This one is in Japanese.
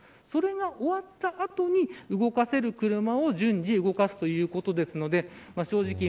それが終わった後に動かせる車を順次動かすということですので正直